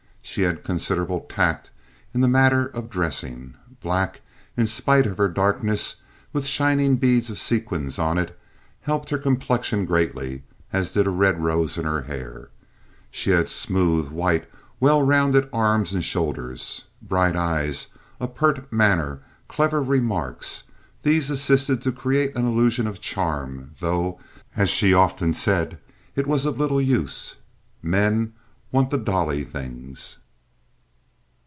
She had considerable tact in the matter of dressing. Black, in spite of her darkness, with shining beads of sequins on it, helped her complexion greatly, as did a red rose in her hair. She had smooth, white well rounded arms and shoulders. Bright eyes, a pert manner, clever remarks—these assisted to create an illusion of charm, though, as she often said, it was of little use. "Men want the dolly things."